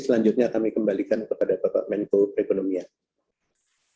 selanjutnya kami kembalikan kepada bapak menko perekonomian